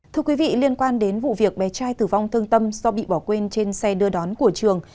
thưa quý vị liên quan đến vụ việc bé trai tử vong thương tâm do bị bỏ quên trên xe đưa đón của trường